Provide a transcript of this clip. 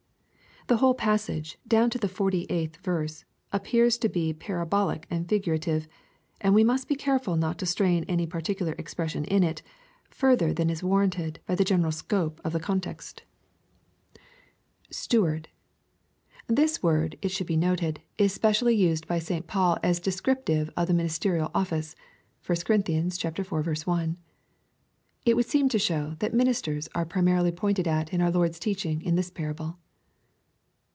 The whole passage, down to the 48th verse, appears to be par abolic and figurative ; and we must be careful not to strain any particular expression in it, further than is warranted by the gen eral scope of the context. M EXPOSITORY TIE0UGHT8. [Steward.] This word, it should be noted, is specially used hj St. Paul as descriptive of the ministerial office. (1 Cor. i r. 1.) It would seem to show that ministers are primarily pointed at in our Lord's teaching in this parable.